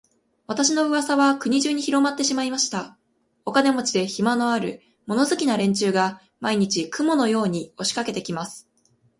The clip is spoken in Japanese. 私の噂は国中にひろまってしまいました。お金持で、暇のある、物好きな連中が、毎日、雲のように押しかけて来ます。